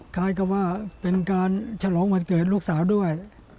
คล้ายกับว่าเป็นการฉลองวันเกิดลูกสาวด้วย